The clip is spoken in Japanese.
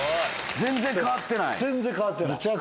全然変わってない。